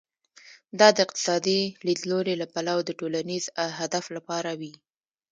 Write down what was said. دا د اقتصادي لیدلوري له پلوه د ټولنیز هدف لپاره وي.